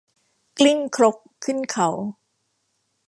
กลิ้งครกขึ้นเขา